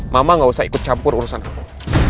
mama gak usah ikut campur urusan kamu